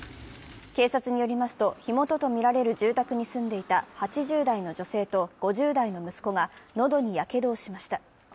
警察によりますと、火元とみられる住宅に住んでいた８０代の女性と５０代の息子が喉にやけどをしました。